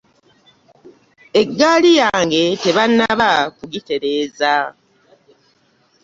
Eggaali yange tebanaba ku gitereeza.